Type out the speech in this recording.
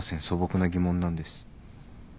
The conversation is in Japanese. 素朴な疑問なんです。